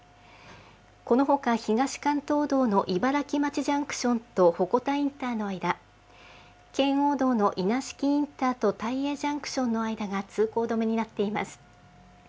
このほか東関東道の茨城町ジャンクションと鉾田インターの間、圏央道の稲敷インターと大栄ジャンクションの間が通行止めになっています。